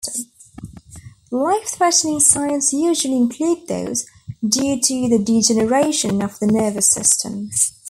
Life-threatening signs usually include those due to the degeneration of the nervous system.